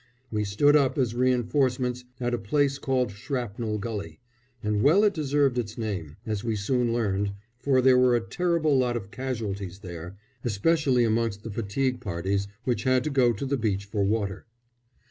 We stood up as reinforcements at a place called Shrapnel Gulley and well it deserved its name, as we soon learned, for there were a terrible lot of casualties there, especially amongst the fatigue parties which had to go to the beach for water.